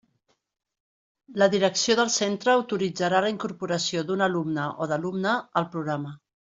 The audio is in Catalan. La direcció del centre autoritzarà la incorporació d'un alumne o d'alumna al programa.